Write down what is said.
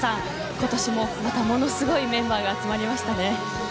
今年も、ものすごいメンバーが集まりましたね。